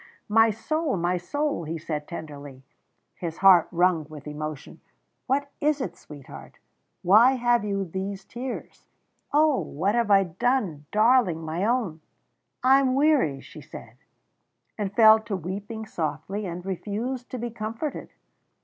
"My soul, my soul!" he said tenderly, his heart wrung with emotion. "What is it, sweetheart why have you these tears? Oh! what have I done darling, my own?" "I am weary," she said, and fell to weeping softly, and refused to be comforted.